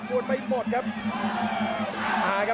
โอ้โหทางด้าน